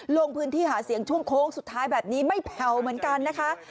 ลงพื้นที่หาเสียงช่วงโค้งสุดท้ายแบบนี้ไม่แผ่วเหมือนกันนะคะ